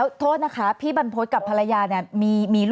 อ่าอ่าอ่าอ่าอ่าอ่าอ่าอ่าอ่าอ่าอ่าอ่าอ่าอ่าอ่าอ่าอ่าอ่าอ่า